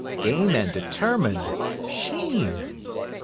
(Game and determined! Sheen!!)